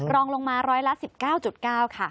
รองลงมาร้อยละ๑๙๙ค่ะ